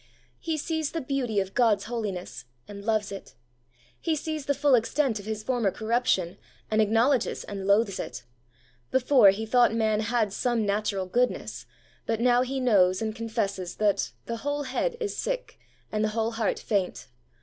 He sees the beauty of God's Holiness, and loves it. He sees the full extent of his former corruption, and acknowledges and loathes it. Before, he thought man had some natural goodness, but now he knows and confesses that ' the whole head is sick, and the whole heart faint.